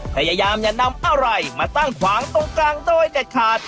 พยายามอย่านำอะไรมาตั้งขวางตรงกลางโดยเด็ดขาด